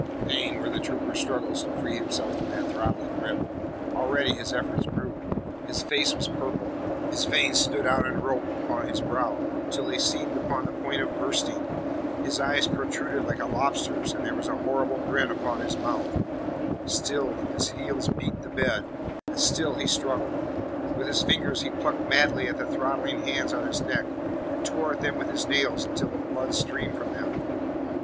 Vain were the trooper's struggles to free himself from that throttling grip. Already his efforts grew his face was purple; his veins stood out in ropes upon his brow till they seemed upon the point of bursting; his eyes protruded like a lobster's and there was a horrible grin upon his mouth; still his heels beat the bed, and still he struggled. With his fingers he plucked madly at the throttling hands on his neck, and tore at them with his nails until the blood streamed from them.